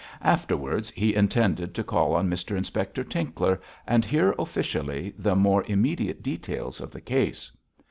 Afterwards he intended to call on Mr Inspector Tinkler and hear officially the more immediate details of the case.